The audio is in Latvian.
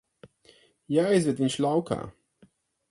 Jāizved viņš laukā.